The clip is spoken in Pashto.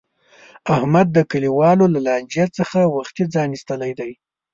احمد د کلیوالو له لانجې څخه وختي ځان ایستلی دی.